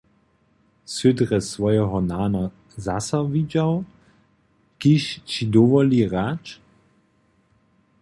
Sy drje swojeho nana zaso widźał, kiž ći dowoli hrać?